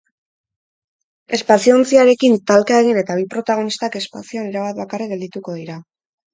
Espazio ontziarekin talka egin eta bi protagonistak espazioan erabat bakarrik geldituko dira.